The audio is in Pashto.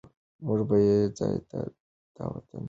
موږ به یو ځای دا وطن جوړوو.